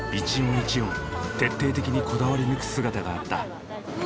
一音徹底的にこだわり抜く姿があった。